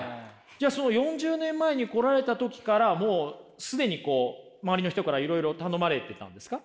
じゃあその４０年前に来られた時からもう既にこう周りの人からいろいろ頼まれてたんですか？